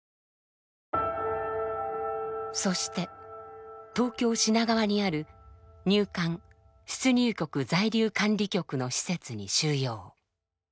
そして東京・品川にある入管出入国在留管理局の施設に収容。